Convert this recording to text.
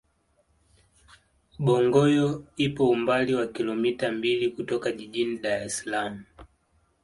bongoyo ipo umbali wa kilomita mbili kutoka jijini dar es salaam